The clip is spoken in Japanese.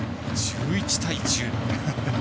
１１対１０。